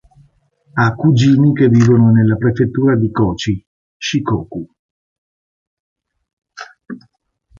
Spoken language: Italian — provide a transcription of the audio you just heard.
Ha cugini che vivono nella Prefettura di Kochi, Shikoku.